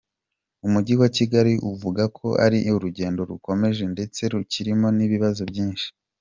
Umijyi wa Kigali uvuga ko ari urugendo rugikomeza ndetse rukirimo n’ibibazo byinshi.